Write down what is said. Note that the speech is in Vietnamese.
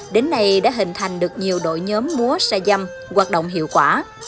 đến nay đã hình thành được nhiều đội nhóm múa xa dầm hoạt động hiệu quả